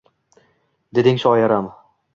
Deding, shoiram